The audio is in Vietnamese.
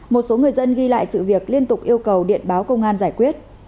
một số người dân ghi lại sự việc liên tục yêu cầu điện báo công an giải quyết